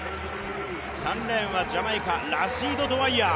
３レーンはジャマイカラシード・ドウァイヤー。